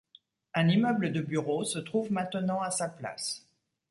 Un immeuble de bureaux se trouve maintenant à sa place.